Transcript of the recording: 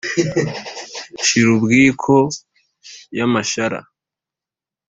shirubwiko ya mashara